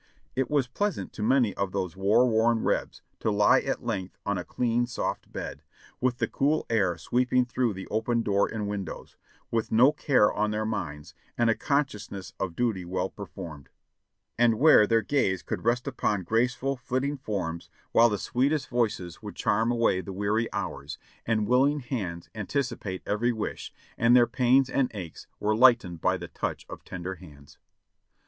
It was pleasant to many of those war worn Rebs to lie at length on a clean, soft bed, with the cool air sweeping through the open door and windows, with no care on their minds, and a consciousness of duty well performed; and where their gaze could rest upon graceful, flitting forms, while the sweetest voices would charm away the weary hours, and willing hands an ticipate every wish, and their pains and aches were lightened by the touch of tender hands.